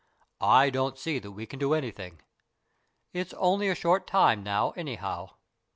I don't see that we can do anything. It's only a short time now, anyhow.